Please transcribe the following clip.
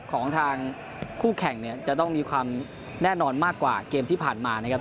ของทางคู่แข่งเนี่ยจะต้องมีความแน่นอนมากกว่าเกมที่ผ่านมานะครับ